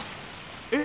えっ？